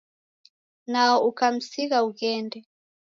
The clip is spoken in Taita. Nao ukamsigha ughende